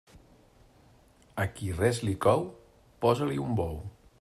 A qui res li cou, posa-li un bou.